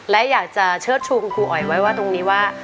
และอยากจะเชิดชูคุณครูอ๋อยไว้ว่าตรงนี้ว่า